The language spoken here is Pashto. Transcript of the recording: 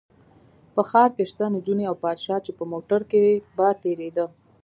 په ښار کې شته نجونې او پادشاه چې په موټر کې به تېرېده.